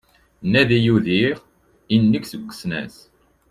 Nadi udiɣ inig seg usnas